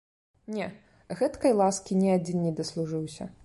Не, гэткай ласкі ні адзін не даслужыўся.